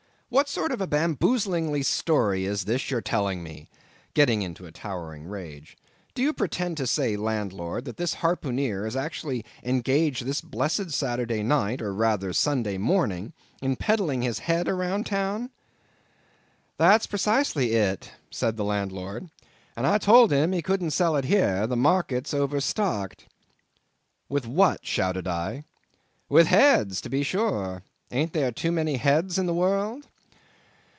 —What sort of a bamboozingly story is this you are telling me?" getting into a towering rage. "Do you pretend to say, landlord, that this harpooneer is actually engaged this blessed Saturday night, or rather Sunday morning, in peddling his head around this town?" "That's precisely it," said the landlord, "and I told him he couldn't sell it here, the market's overstocked." "With what?" shouted I. "With heads to be sure; ain't there too many heads in the world?"